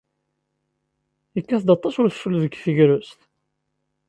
Yekkat-d aṭas wedfel deg tegrest?